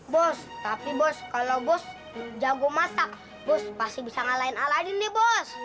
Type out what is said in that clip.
bos tapi bos kalau bos jago masak bos pasti bisa ngalahin aladin deh bos